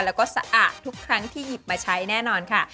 แล้วก็สะอาดทุกครั้งที่หยิบมาใช้แน่นอนค่ะ